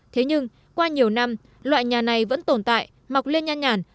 thế nhưng qua nhiều năm loại nhà này vẫn tồn tại mọc lên nhàn nhàn